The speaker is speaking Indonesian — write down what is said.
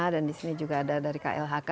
dan disini juga ada dari klhk